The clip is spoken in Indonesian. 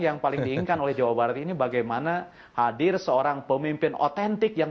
yang paling diinginkan oleh jawa barat ini bagaimana hadir seorang pemimpin otentik yang